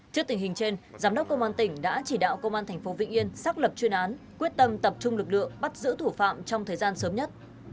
trước tình hình trên giám đốc công an tỉnh đã chỉ đạo công an tp vĩnh yên xác lập chuyên án quyết tâm tập trung lực lượng bắt giữ thủ phạm trong thời gian sớm nhất